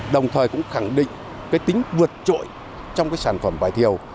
đồng thời cũng khẳng định tính vượt trội trong sản phẩm vải thiều